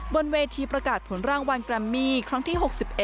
บนเวทีประกาศผลรางวัลแกรมมี่ครั้งที่๖๑